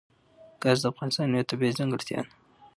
ګاز د افغانستان یوه طبیعي ځانګړتیا ده.